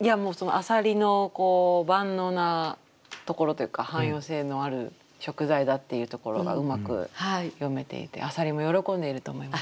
いやもう浅蜊の万能なところというか汎用性のある食材だっていうところがうまく詠めていて浅蜊も喜んでいると思います。